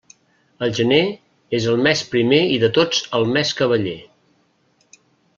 El gener és el mes primer i de tots el més cavaller.